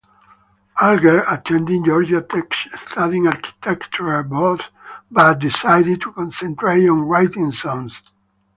Alger attended Georgia Tech studying architecture but decided to concentrate on writing songs.